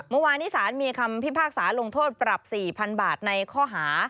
เมื่อวานนี้สารมีคำพิพากษาลงโทษปรับ๔๐๐๐บาทในข้อหา